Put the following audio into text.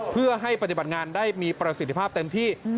เพื่อให้ปฏิบัติงานได้มีประสิทธิภาพเต็มที่